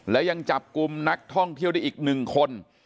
และยังจับกลุ่มนักท่องเที่ยวได้อีก๑คน